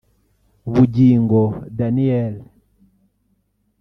Bugingo Daniel